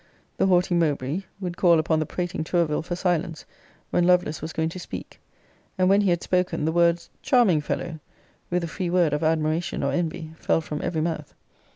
The haughty Mowbray would call upon the prating Tourville for silence, when Lovelace was going to speak. And when he had spoken, the words, Charming fellow! with a free word of admiration or envy, fell from every mouth.